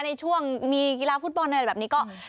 ในช่วงมีกีฬาฟุตบอลอะไรแบบนี้ก็